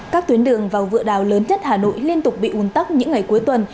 các tuyến đường vào vựa đào lớn nhất hà nội liên tục bị ùn tắc những ngày cuối tuần